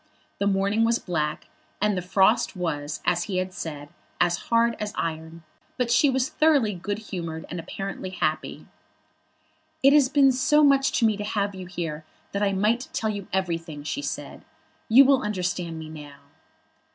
The morning was black, and the frost was, as he had said, as hard as iron, but she was thoroughly good humoured, and apparently happy. "It has been so much to me to have you here, that I might tell you everything," she said. "You will understand me now."